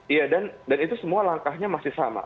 iya dan itu semua langkahnya masih sama